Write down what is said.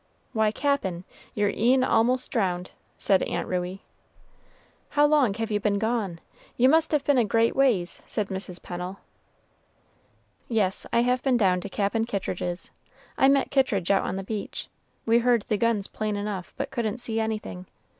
"Why, Cap'n! you're e'en a'most drowned," said Aunt Ruey. "How long have you been gone? You must have been a great ways," said Mrs. Pennel. "Yes, I have been down to Cap'n Kittridge's. I met Kittridge out on the beach. We heard the guns plain enough, but couldn't see anything.